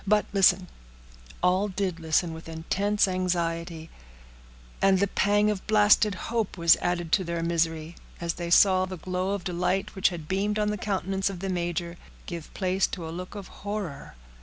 But listen—" All did listen with intense anxiety; and the pang of blasted hope was added to their misery, as they saw the glow of delight which had beamed on the countenance of the major give place to a look of horror.